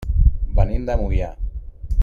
Venim de Moià.